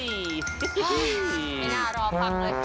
ไม่รอมันเลย